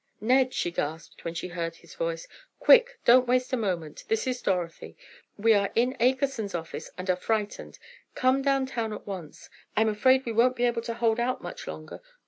"Ned," she gasped, when she heard his voice, "quick, don't waste a moment! This is Dorothy. We are in Akerson's office and are frightened! Come downtown at once! I'm afraid we won't be able to hold out much longer!